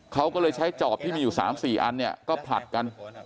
เขาก็เลยใช้จอบที่มีอยู่๓๔อันเนี่ยก็ผลัดกัน